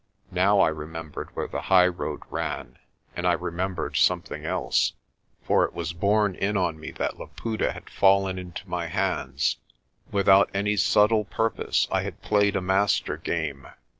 Now I remembered where the highroad ran and I remembered something else. For it was borne in on me that Laputa had fallen into my hands. Without any subtle purpose I had played a master game.